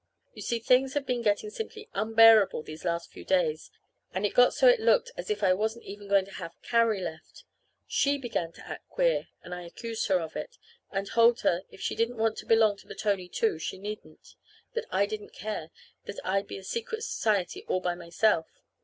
You see things have been getting simply unbearable these last few days, and it got so it looked as if I wasn't even going to have Carrie left. She began to act queer and I accused her of it, and told her if she didn't want to belong to the Tony Two she needn't. That I didn't care; that I'd be a secret society all by myself.